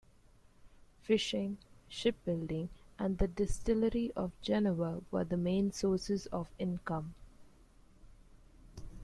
Fishing, shipbuilding and the distillery of jenever were the main sources of income.